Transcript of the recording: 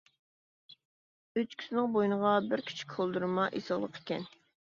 ئۆچكىسىنىڭ بوينىغا بىر كىچىك كولدۇرما ئېسىقلىق ئىكەن.